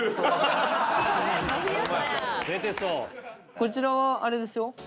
こちらはあれですよ。